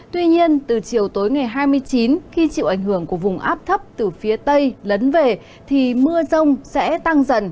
tuy nhiên từ chiều tối ngày hai mươi chín khi chịu ảnh hưởng của vùng áp thấp từ phía tây lấn về thì mưa rông sẽ tăng dần